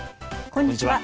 こんにちは。